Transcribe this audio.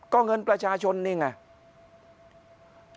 ก็เงินประชาชนนี่ไง